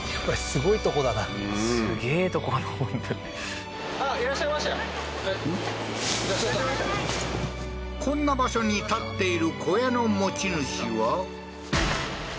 すげえ所こんな場所に建っている小屋の持ち主は？